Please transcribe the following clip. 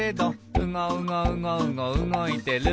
「うごうごうごうごうごいてる」